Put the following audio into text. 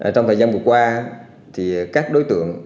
trong thời gian vừa qua các đối tượng